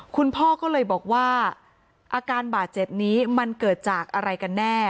คุณพ่อก็เลยบอกว่าอาการบาดเจ็บนี้มันเกิดจากอะไรกันแน่